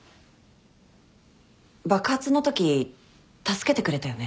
爆発のとき助けてくれたよね？